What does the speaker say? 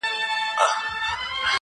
ډبرینه یې قلا لیري له ښاره٫